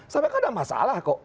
sampai kan ada masalah kok